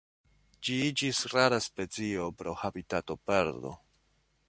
Ĝi iĝis rara specio pro habitatoperdo.